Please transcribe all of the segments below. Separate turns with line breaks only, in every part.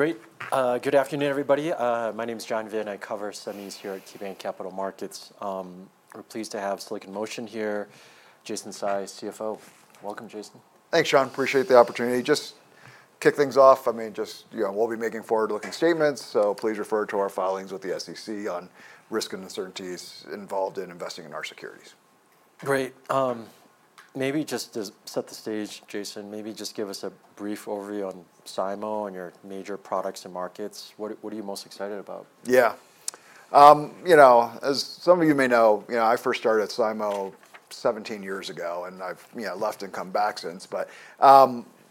Great. Good afternoon, everybody. My name is John Vinh, and I cover SMEs here at KeyBanc Capital Markets. We're pleased to have Silicon Motion here, Jason Tsai, CFO, welcome, Jason.
Thanks, John. Appreciate the opportunity. Just to kick things off, we'll be making forward-looking statements, so please refer to our filings with the SEC on risk and uncertainties involved in investing in our securities.
Great. Maybe just to set the stage, Jason, maybe just give us a brief overview on SIMO and your major products and markets. What are you most excited about?
Yeah. As some of you may know, I first started at SIMO 17 years ago, and I've left and come back since.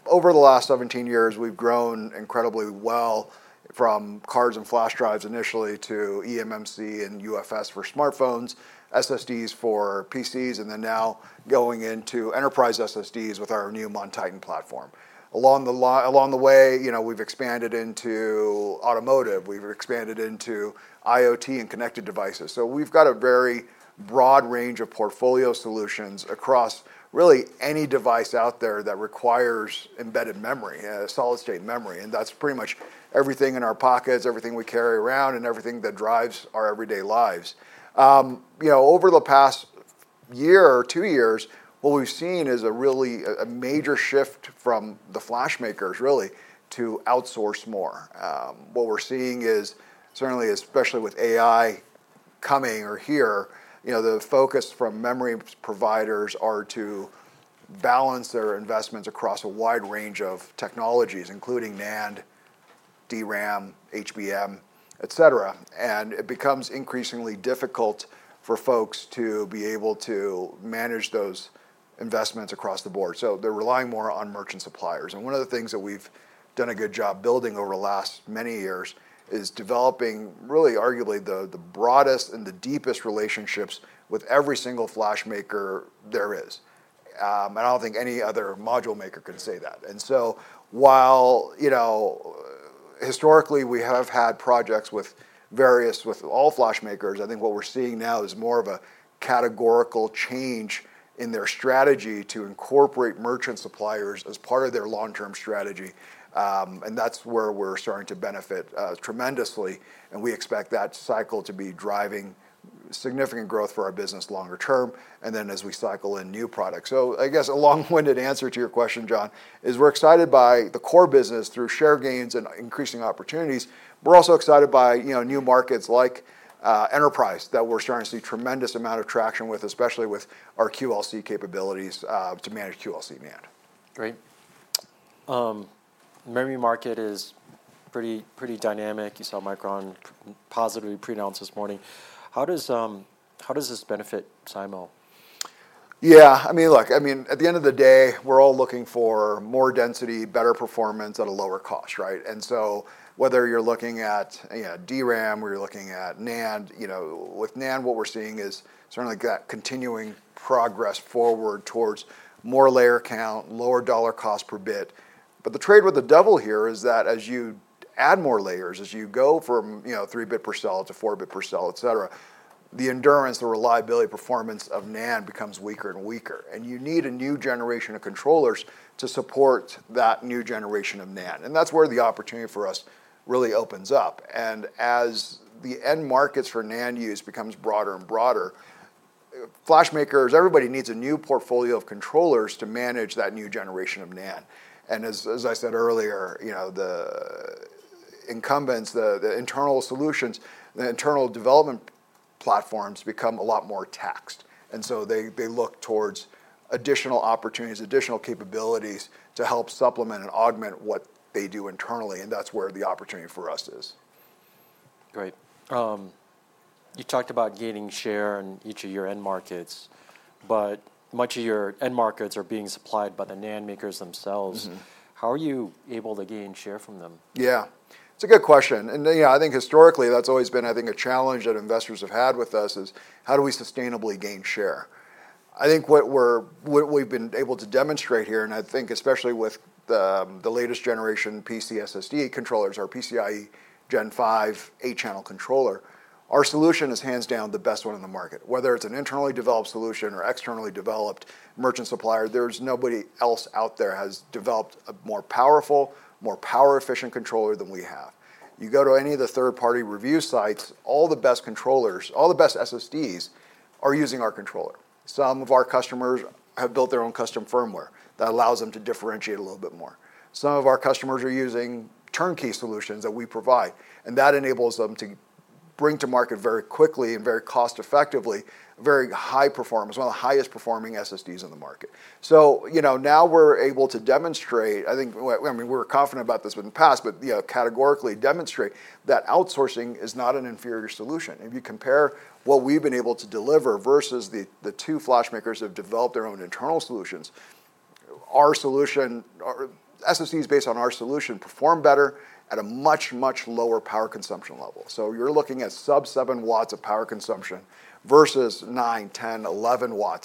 Over the last 17 years, we've grown incredibly well from cards and flash drives initially to eMMC and UFS for smartphones, SSDs for PCs, and now going into enterprise SSDs with our new MonTitan platform. Along the way, we've expanded into automotive. We've expanded into IoT and connected devices. We've got a very broad range of portfolio solutions across really any device out there that requires embedded memory, solid state memory, and that's pretty much everything in our pockets, everything we carry around, and everything that drives our everyday lives. Over the past year or two years, what we've seen is a really major shift from the flash makers to outsource more. What we're seeing is certainly, especially with AI coming or here, the focus from memory providers is to balance their investments across a wide range of technologies, including NAND, DRAM, HBM, etc. It becomes increasingly difficult for folks to be able to manage those investments across the board. They're relying more on merchant suppliers. One of the things that we've done a good job building over the last many years is developing arguably the broadest and the deepest relationships with every single flash maker there is. I don't think any other module maker can say that. While historically we have had projects with all flash makers, I think what we're seeing now is more of a categorical change in their strategy to incorporate merchant suppliers as part of their long-term strategy. That's where we're starting to benefit tremendously. We expect that cycle to be driving significant growth for our business longer term as we cycle in new products. I guess a long-winded answer to your question, John, is we're excited by the core business through share gains and increasing opportunities. We're also excited by new markets like enterprise that we're starting to see a tremendous amount of traction with, especially with our QLC capabilities to manage QLC NAND.
Great. The memory market is pretty, pretty dynamic. You saw Micron positively pre-announce this morning. How does this benefit SIMO?
Yeah, I mean, at the end of the day, we're all looking for more density, better performance at a lower cost, right? Whether you're looking at DRAM or you're looking at NAND, with NAND, what we're seeing is certainly that continuing progress forward towards more layer count, lower dollar cost per bit. The trade with the devil here is that as you add more layers, as you go from, you know, three bit per cell to four bit per cell, etc., the endurance, the reliability, performance of NAND becomes weaker and weaker. You need a new generation of controllers to support that new generation of NAND. That's where the opportunity for us really opens up. As the end markets for NAND use become broader and broader, flash makers, everybody needs a new portfolio of controllers to manage that new generation of NAND. As I said earlier, the incumbents, the internal solutions, the internal development platforms become a lot more taxed. They look towards additional opportunities, additional capabilities to help supplement and augment what they do internally. That's where the opportunity for us is.
Great. You talked about gaining share in each of your end markets, but much of your end markets are being supplied by the NAND makers themselves. How are you able to gain share from them?
Yeah, it's a good question. I think historically that's always been, I think, a challenge that investors have had with us: how do we sustainably gain share? I think what we've been able to demonstrate here, especially with the latest generation PC SSD controllers, our PCIe Gen5 eight-channel controller, our solution is hands down the best one in the market. Whether it's an internally developed solution or externally developed merchant supplier, there's nobody else out there who has developed a more powerful, more power-efficient controller than we have. You go to any of the third-party review sites, all the best controllers, all the best SSDs are using our controller. Some of our customers have built their own custom firmware that allows them to differentiate a little bit more. Some of our customers are using turnkey solutions that we provide, and that enables them to bring to market very quickly and very cost-effectively, very high-performance, one of the highest performing SSDs in the market. Now we're able to demonstrate, I think, I mean, we were confident about this in the past, but categorically demonstrate that outsourcing is not an inferior solution. If you compare what we've been able to deliver versus the two flash makers who have developed their own internal solutions, our solution, or SSDs based on our solution, perform better at a much, much lower power consumption level. You're looking at sub 7 W of power consumption versus 9, 10, 11 W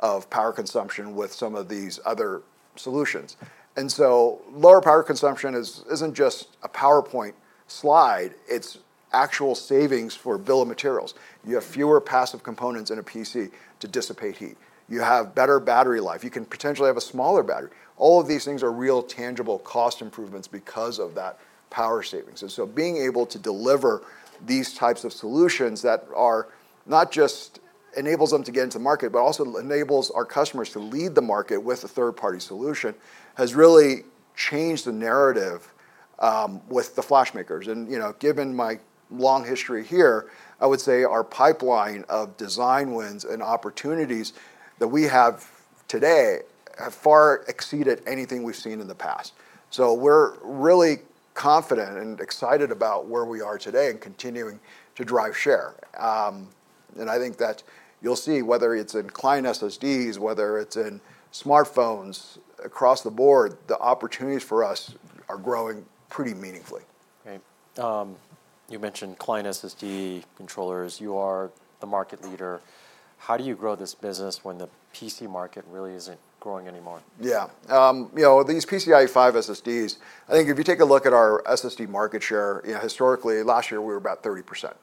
of power consumption with some of these other solutions. Lower power consumption isn't just a PowerPoint slide, it's actual savings for bill of materials. You have fewer passive components in a PC to dissipate heat. You have better battery life. You can potentially have a smaller battery. All of these things are real tangible cost improvements because of that power savings. Being able to deliver these types of solutions that are not just enabling them to get into market, but also enabling our customers to lead the market with a third-party solution has really changed the narrative with the flash makers. Given my long history here, I would say our pipeline of design wins and opportunities that we have today have far exceeded anything we've seen in the past. We're really confident and excited about where we are today and continuing to drive share. I think that you'll see whether it's in client SSDs, whether it's in smartphones across the board, the opportunities for us are growing pretty meaningfully.
Okay. You mentioned client SSD controllers. You are the market leader. How do you grow this business when the PC market really isn't growing anymore?
Yeah. You know, these PCIe Gen5 SSDs, I think if you take a look at our SSD market share, you know, historically last year we were about 30%.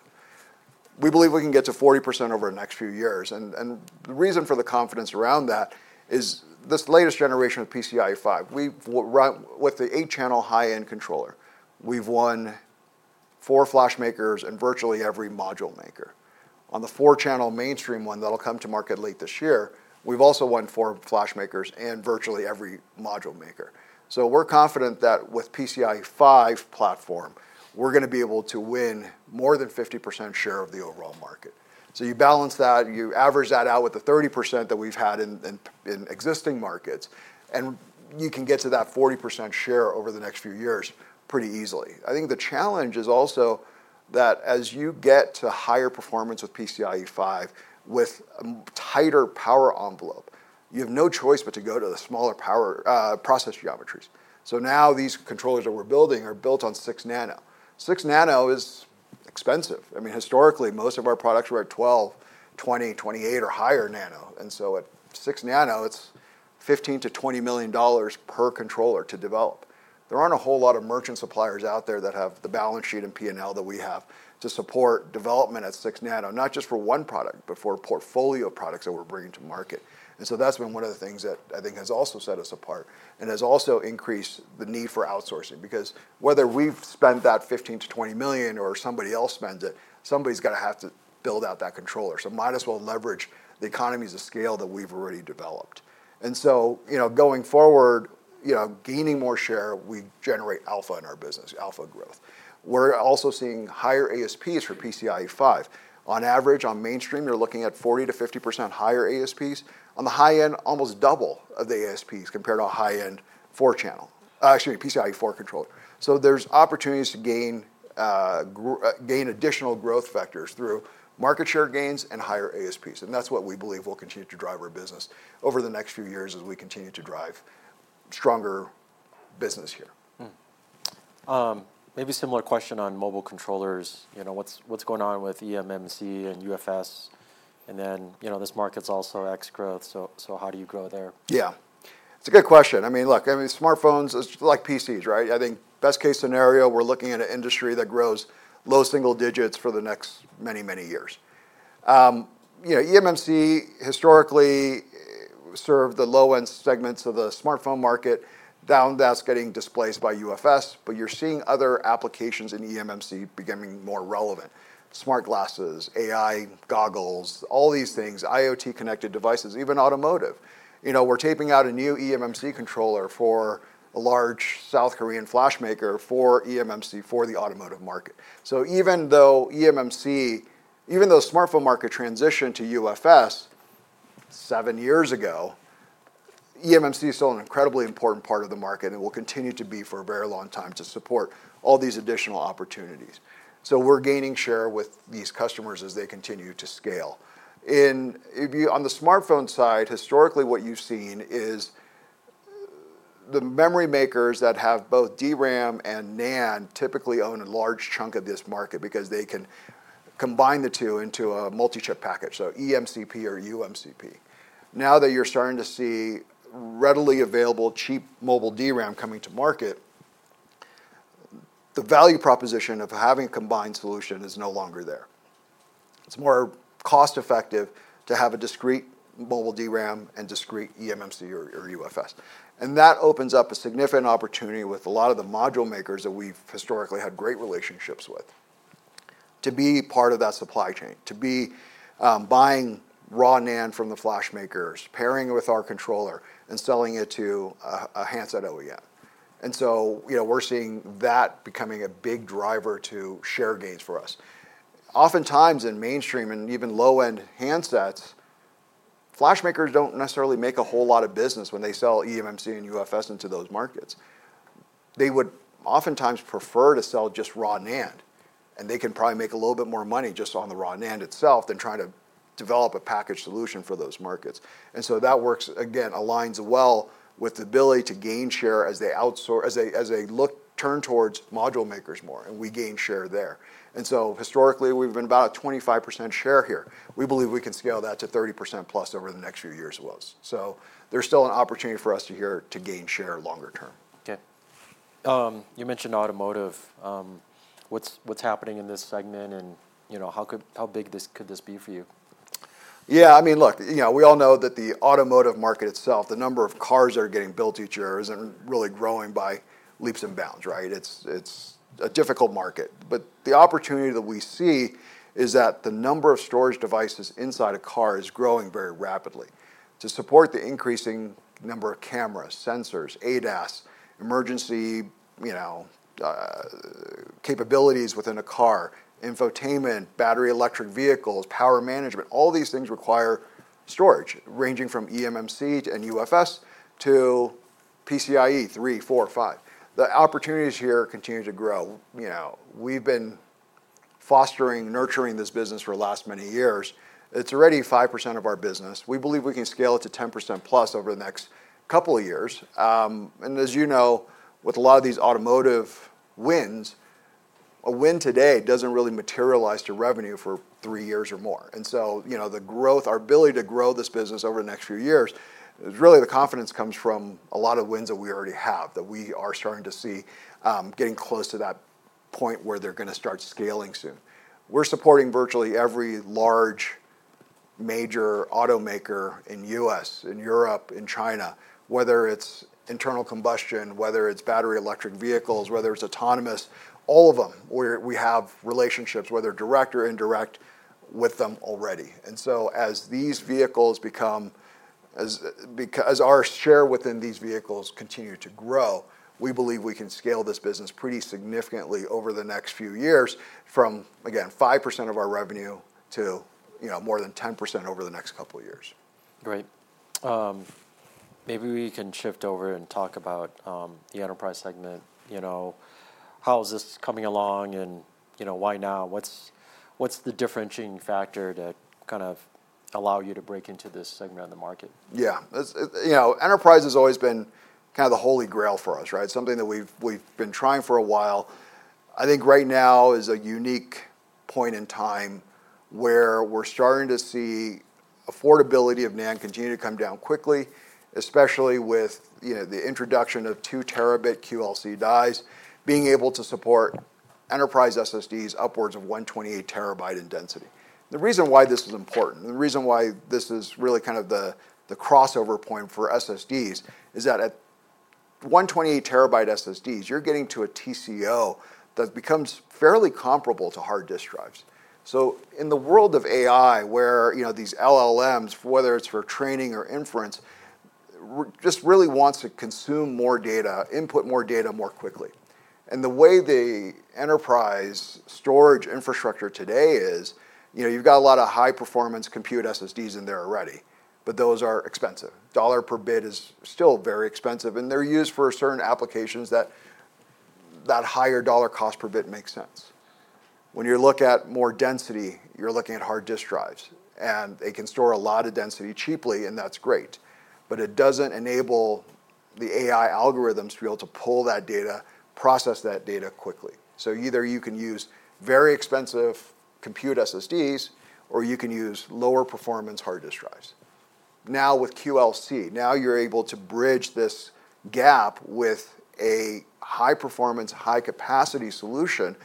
We believe we can get to 40% over the next few years. The reason for the confidence around that is this latest generation of PCIe Gen5. We've run with the eight-channel high-end controller. We've won four flash makers and virtually every module maker. On the four-channel mainstream one that'll come to market late this year, we've also won four flash makers and virtually every module maker. We're confident that with the PCIe Gen5 platform, we're going to be able to win more than 50% share of the overall market. You balance that, you average that out with the 30% that we've had in existing markets, and you can get to that 40% share over the next few years pretty easily. I think the challenge is also that as you get to higher performance with PCIe Gen5, with a tighter power envelope, you have no choice but to go to the smaller power process geometries. Now these controllers that we're building are built on 6 nm. 6 nm is expensive. I mean, historically, most of our products were at 12, 20, 28, or higher nm. At 6 nm, it's $15 million-$20 million per controller to develop. There aren't a whole lot of merchant suppliers out there that have the balance sheet and P&L that we have to support development at 6 nm, not just for one product, but for a portfolio of products that we're bringing to market. That's been one of the things that I think has also set us apart and has also increased the need for outsourcing because whether we've spent that $15 million-$20 million or somebody else spends it, somebody's got to have to build out that controller. Might as well leverage the economies of scale that we've already developed. Going forward, you know, gaining more share, we generate alpha in our business, alpha growth. We're also seeing higher ASPs for PCIe Gen5. On average, on mainstream, you're looking at 40%-50% higher ASPs. On the high end, almost double the ASPs compared to a high-end four-channel, excuse me, PCIe Gen4 controller. There's opportunities to gain additional growth vectors through market share gains and higher ASPs. That's what we believe will continue to drive our business over the next few years as we continue to drive stronger business here.
Maybe a similar question on mobile controllers. You know, what's going on with eMMC and UFS? You know, this market's also ex-growth. How do you grow there?
Yeah, it's a good question. I mean, look, smartphones, it's like PCs, right? I think best case scenario, we're looking at an industry that grows low single digits for the next many, many years. EMMC historically served the low-end segments of the smartphone market. Now that's getting displaced by UFS, but you're seeing other applications in EMMC becoming more relevant. Smart glasses, AI goggles, all these things, IoT connected devices, even automotive. We're taping out a new EMMC controller for a large South Korean flash maker for EMMC for the automotive market. Even though the smartphone market transitioned to UFS seven years ago, EMMC is still an incredibly important part of the market and will continue to be for a very long time to support all these additional opportunities. We're gaining share with these customers as they continue to scale. On the smartphone side, historically what you've seen is the memory makers that have both DRAM and NAND typically own a large chunk of this market because they can combine the two into a multi-chip package, so EMCP or UMCP. Now that you're starting to see readily available cheap mobile DRAM coming to market, the value proposition of having a combined solution is no longer there. It's more cost-effective to have a discrete mobile DRAM and discrete EMMC or UFS. That opens up a significant opportunity with a lot of the module makers that we've historically had great relationships with to be part of that supply chain, to be buying raw NAND from the flash makers, pairing it with our controller, and selling it to a handset OEM. We're seeing that becoming a big driver to share gains for us. Oftentimes in mainstream and even low-end handsets, flash makers don't necessarily make a whole lot of business when they sell EMMC and UFS into those markets. They would oftentimes prefer to sell just raw NAND, and they can probably make a little bit more money just on the raw NAND itself than trying to develop a packaged solution for those markets. That works, again, aligns well with the ability to gain share as they outsource, as they look to turn towards module makers more, and we gain share there. Historically, we've been about a 25% share here. We believe we can scale that to 30%+ over the next few years as well. There's still an opportunity for us to gain share longer term.
Okay. You mentioned automotive. What's happening in this segment, and you know, how big could this be for you?
Yeah, I mean, look, you know, we all know that the automotive market itself, the number of cars that are getting built each year isn't really growing by leaps and bounds, right? It's a difficult market. The opportunity that we see is that the number of storage devices inside a car is growing very rapidly. To support the increasing number of cameras, sensors, ADAS, emergency, you know, capabilities within a car, infotainment, battery electric vehicles, power management, all these things require storage ranging from eMMC and UFS to PCIe 3, 4, 5. The opportunities here continue to grow. We've been fostering, nurturing this business for the last many years. It's already 5% of our business. We believe we can scale it to 10%+ over the next couple of years. As you know, with a lot of these automotive wins, a win today doesn't really materialize to revenue for three years or more. The growth, our ability to grow this business over the next few years is really the confidence comes from a lot of wins that we already have, that we are starting to see getting close to that point where they're going to start scaling soon. We're supporting virtually every large major automaker in the U.S., in Europe, in China, whether it's internal combustion, whether it's battery electric vehicles, whether it's autonomous, all of them, where we have relationships, whether direct or indirect, with them already. As these vehicles become, as our share within these vehicles continues to grow, we believe we can scale this business pretty significantly over the next few years from, again, 5% of our revenue to, you know, more than 10% over the next couple of years.
Right. Maybe we can shift over and talk about the enterprise segment. How is this coming along and why now? What's the differentiating factor that kind of allowed you to break into this segment of the market?
Yeah, you know, enterprise has always been kind of the holy grail for us, right? Something that we've been trying for a while. I think right now is a unique point in time where we're starting to see affordability of NAND continue to come down quickly, especially with the introduction of two TB QLC dies, being able to support enterprise SSDs upwards of 128 TB in density. The reason why this is important, the reason why this is really kind of the crossover point for SSDs is that at 128 TB SSDs, you're getting to a TCO that becomes fairly comparable to hard disk drives. In the world of AI, where these LLMs, whether it's for training or inference, just really want to consume more data, input more data more quickly. The way the enterprise storage infrastructure today is, you've got a lot of high-performance compute SSDs in there already, but those are expensive. Dollar per bit is still very expensive, and they're used for certain applications that that higher dollar cost per bit makes sense. When you look at more density, you're looking at hard disk drives, and they can store a lot of density cheaply, and that's great, but it doesn't enable the AI algorithms to be able to pull that data, process that data quickly. You can use very expensive compute SSDs, or you can use lower performance hard disk drives. Now with QLC, now you're able to bridge this gap with a high performance, high capacity solution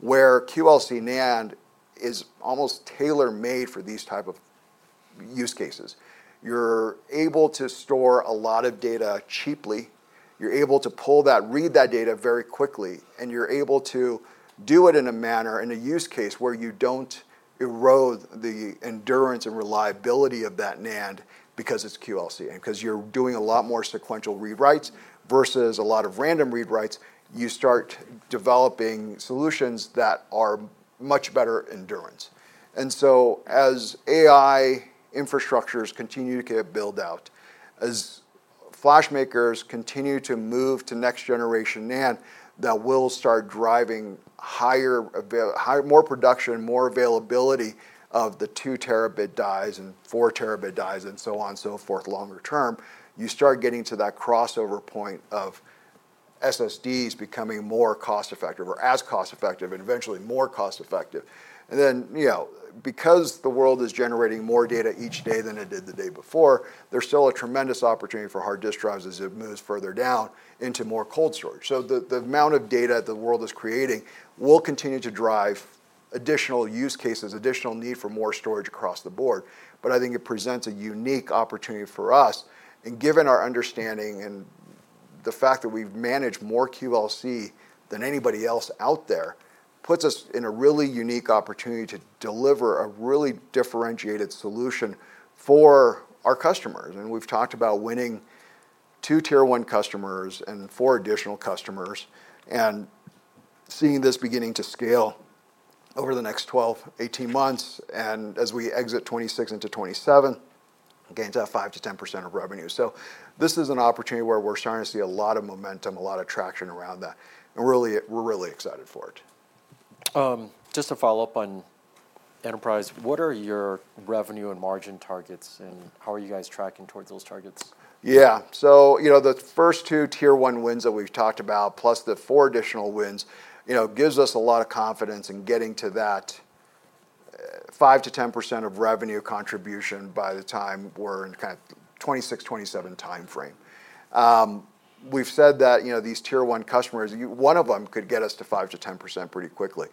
where QLC NAND is almost tailor-made for these types of use cases. You're able to store a lot of data cheaply. You're able to pull that, read that data very quickly, and you're able to do it in a manner, in a use case where you don't erode the endurance and reliability of that NAND because it's QLC. Because you're doing a lot more sequential read writes versus a lot of random read writes, you start developing solutions that are much better endurance. As AI infrastructures continue to get built out, as flash makers continue to move to next generation NAND, that will start driving higher, more production, more availability of the 2 TB dies and 4 TB dies and so on and so forth longer term. You start getting to that crossover point of SSDs becoming more cost-effective or as cost-effective and eventually more cost-effective. Because the world is generating more data each day than it did the day before, there's still a tremendous opportunity for hard disk drives as it moves further down into more cold storage. The amount of data the world is creating will continue to drive additional use cases, additional need for more storage across the board. I think it presents a unique opportunity for us. Given our understanding and the fact that we've managed more QLC than anybody else out there puts us in a really unique opportunity to deliver a really differentiated solution for our customers. We've talked about winning two Tier 1 customers and four additional customers and seeing this beginning to scale over the next 12, 18 months. As we exit 2026 into 2027, gain that 5%-10% of revenue. This is an opportunity where we're starting to see a lot of momentum, a lot of traction around that. We're really excited for it.
Just to follow up on enterprise, what are your revenue and margin targets, and how are you guys tracking towards those targets?
Yeah, so you know, the first two Tier 1 wins that we've talked about, plus the four additional wins, gives us a lot of confidence in getting to that 5%-10% of revenue contribution by the time we're in the kind of 2026, 2027 timeframe. We've said that these Tier 1 customers, one of them could get us to 5%-10% pretty quickly.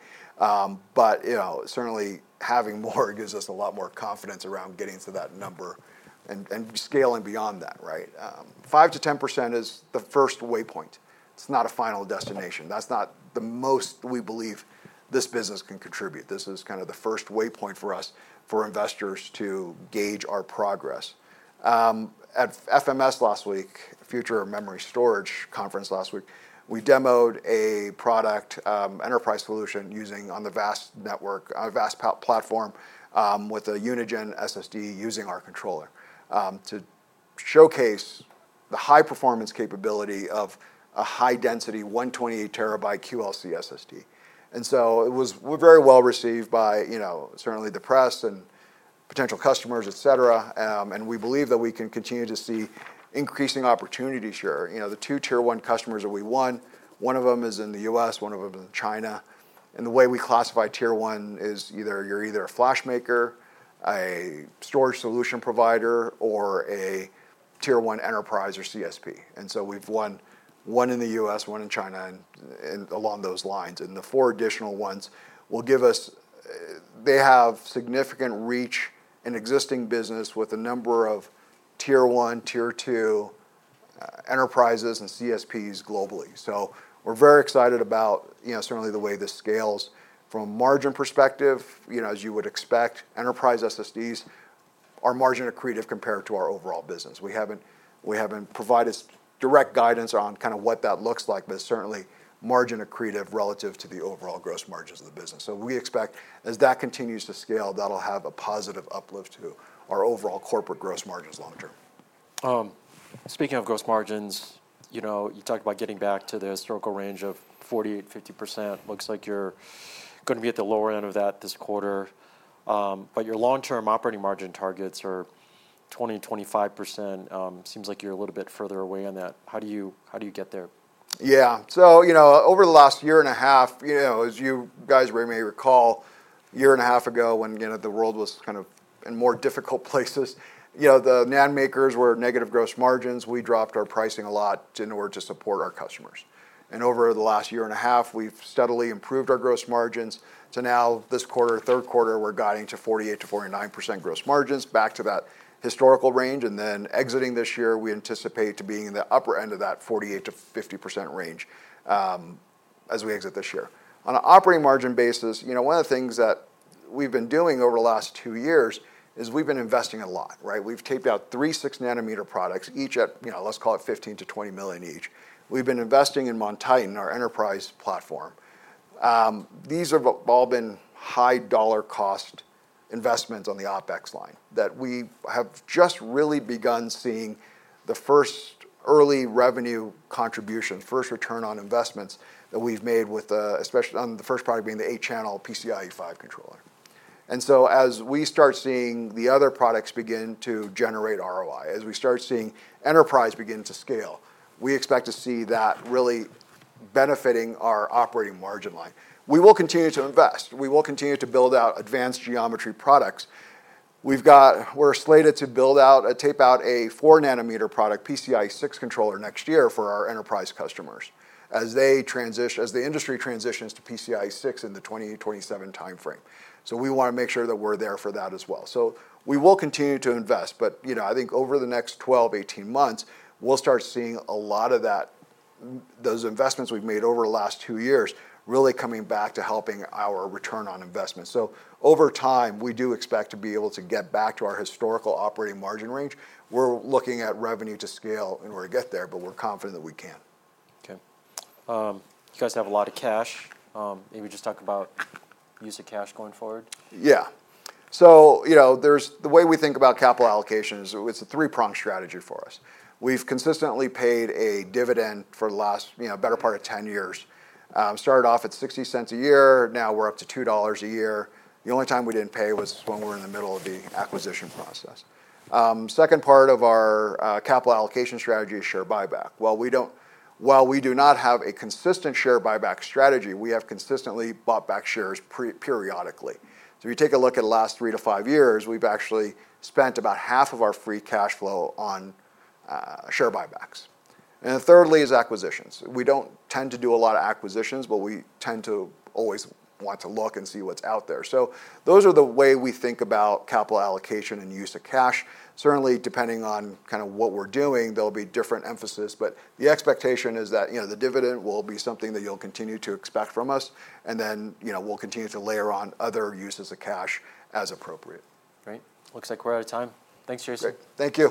Certainly, having more gives us a lot more confidence around getting to that number and scaling beyond that, right? 5%-10% is the first waypoint. It's not a final destination. That's not the most we believe this business can contribute. This is kind of the first waypoint for us for investors to gauge our progress. At FMS last week, Future of Memory Storage conference last week, we demoed a product enterprise solution using on the VAST network, on a VAST platform with a Unigen SSD using our controller to showcase the high-performance capability of a high-density 128 TB QLC SSD. It was very well received by the press and potential customers, etc.. We believe that we can continue to see increasing opportunity share. The two Tier 1 customers that we won, one of them is in the U.S., one of them in China. The way we classify Tier 1 is either you're a flash maker, a storage solution provider, or a Tier 1 enterprise or CSP. We've won one in the U.S., one in China, and along those lines. The four additional ones will give us, they have significant reach in existing business with a number of Tier 1, Tier 2 enterprises and CSPs globally. We're very excited about the way this scales from a margin perspective. As you would expect, enterprise SSDs are margin accretive compared to our overall business. We haven't provided direct guidance on what that looks like, but certainly margin accretive relative to the overall gross margins of the business. We expect as that continues to scale, that'll have a positive uplift to our overall corporate gross margins long term.
Speaking of gross margins, you know, you talked about getting back to the historical range of 48%-50%. Looks like you're going to be at the lower end of that this quarter. Your long-term operating margin targets are 20%-25%. Seems like you're a little bit further away on that. How do you get there?
Yeah, over the last year and a half, as you guys may recall, a year and a half ago when the world was kind of in more difficult places, the NAND makers were negative gross margins. We dropped our pricing a lot in order to support our customers. Over the last year and a half, we've steadily improved our gross margins. Now this quarter, third quarter, we're guiding to 48%-49% gross margins, back to that historical range. Exiting this year, we anticipate being in the upper end of that 48%-50% range as we exit this year. On an operating margin basis, one of the things that we've been doing over the last two years is we've been investing a lot, right? We've taped out three 6 nm products, each at, let's call it $15 million-$20 million each. We've been investing in MonTitan, our enterprise platform. These have all been high dollar cost investments on the OpEx line that we have just really begun seeing the first early revenue contributions, first return on investments that we've made, especially on the first product being the eight-channel PCIe Gen5 controller. As we start seeing the other products begin to generate ROI, as we start seeing enterprise begin to scale, we expect to see that really benefiting our operating margin line. We will continue to invest. We will continue to build out advanced geometry products. We're slated to tape out a 4 nm product, PCIe Gen6 controller next year for our enterprise customers as they transition, as the industry transitions to PCIe Gen6 in the 2027, 2028 timeframe. We want to make sure that we're there for that as well. We will continue to invest, but I think over the next 12-18 months, we'll start seeing a lot of those investments we've made over the last two years really coming back to helping our return on investments. Over time, we do expect to be able to get back to our historical operating margin range. We're looking at revenue to scale in order to get there, but we're confident that we can.
Okay. You guys have a lot of cash. Maybe just talk about use of cash going forward.
Yeah. The way we think about capital allocation is it's a three-prong strategy for us. We've consistently paid a dividend for the last, you know, better part of 10 years. Started off at $0.60 a year. Now we're up to $2 a year. The only time we didn't pay was when we were in the middle of the acquisition process. The second part of our capital allocation strategy is share buyback. While we do not have a consistent share buyback strategy, we have consistently bought back shares periodically. If you take a look at the last three to five years, we've actually spent about half of our free cash flow on share buybacks. Thirdly is acquisitions. We don't tend to do a lot of acquisitions, but we tend to always want to look and see what's out there. Those are the ways we think about capital allocation and use of cash. Certainly, depending on kind of what we're doing, there'll be different emphasis, but the expectation is that, you know, the dividend will be something that you'll continue to expect from us. You know, we'll continue to layer on other uses of cash as appropriate.
Right. Looks like we're out of time. Thanks, Jason.
Thank you.